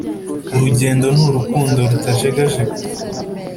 urugendo n’urukundo rutajegajega